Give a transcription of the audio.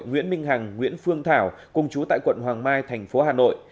nguyễn minh hằng nguyễn phương thảo cùng chú tại quận hoàng mai thành phố hà nội